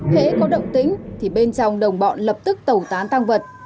hế có động tính thì bên trong đồng bọn lập tức tẩu tán tăng vật